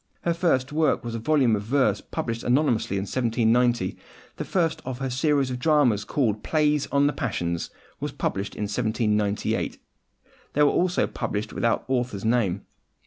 Her first work was a volume of verse published anonymously in 1790. The first of her series of dramas, called Plays on the Passions, was published in 1798. These were also published without the author's name.